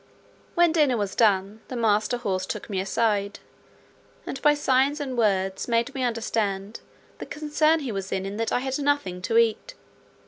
When dinner was done, the master horse took me aside, and by signs and words made me understand the concern he was in that I had nothing to eat.